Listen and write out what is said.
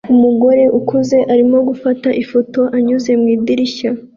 Umugore ukuze arimo gufata ifoto anyuze mu idirishya